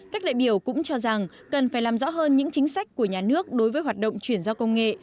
các đại biểu cũng cho rằng cần phải làm rõ hơn những chính sách của nhà nước đối với hoạt động chuyển giao công nghệ